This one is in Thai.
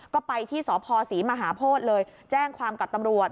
ก็ไปที่สพศรีมหาโพธิเลยแจ้งความกับตำรวจ